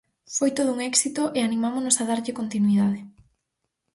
Foi todo un éxito e animámonos a darlle continuidade.